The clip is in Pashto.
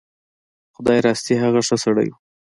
خدای راستي هغه ښه سړی و.